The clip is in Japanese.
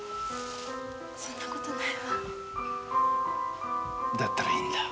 そんなことないわ。